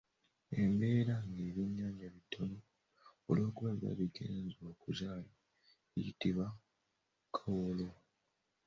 Embeera nga ebyennyanja bitono olwokuba biba bigenze okuzaala eyitibwa Kawolo.